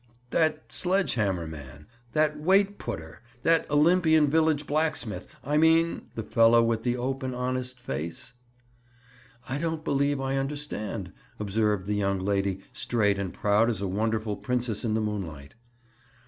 "That sledge hammer man? That weight putter? That Olympian village blacksmith, I mean? The fellow with the open honest face?" "I don't believe I understand," observed the young lady, straight and proud as a wonderful princess in the moonlight.